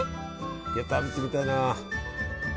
いや食べてみたいな。